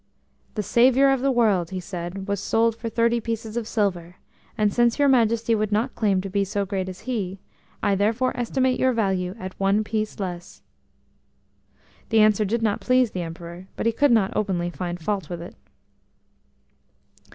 "The Saviour of the World," he said, "was sold for thirty pieces of silver, and, since your Majesty would not claim to be so great as He, I therefore estimate your value at one piece less." This answer did not please the Emperor, but he could not openly find fault with it.